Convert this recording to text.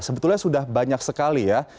sebetulnya sudah banyak sekali ya